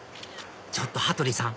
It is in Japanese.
ちょっと羽鳥さん！